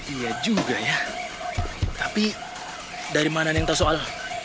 iya juga ya tapi dari mana yang tak soal